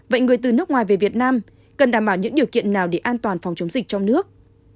vậy người từ nước ngoài về việt nam cần đảm bảo những điều kiện nào để an toàn phòng chống dịch trong nước